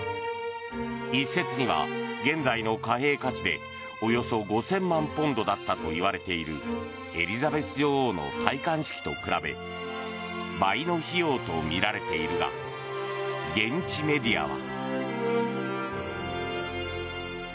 一説には、現在の貨幣価値でおよそ５０００万ポンドだったといわれているエリザベス女王の戴冠式と比べ倍の費用とみられているが現地メディアは。